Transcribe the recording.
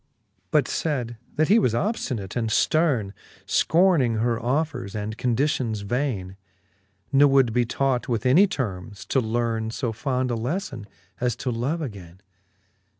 But fayd, that he was obftinate and fterne, Scorning her offers and conditions vaine : Nc would be taught with any termes^ to lerne So fond a lefTon, as to love againe.